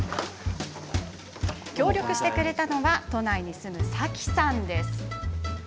協力してくれたのは都内に住む、さきさん。